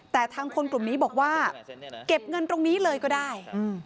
แต่ทางคนกลุ่มนี้บอกว่าเก็บเงินตรงนี้เลยก็ได้